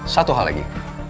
satu hal lagi